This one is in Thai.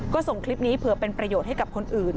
ก็ส่งคลิปนี้เผื่อเป็นประโยชน์ให้กับคนอื่น